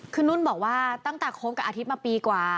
คือนุ่นบอกว่าตั้งแต่คบกับอาทิตย์มาปีกว่า